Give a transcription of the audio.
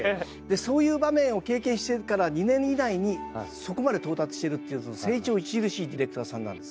そういう場面を経験しているから２年以内にそこまで到達してるっていう成長著しいディレクターさんなんです。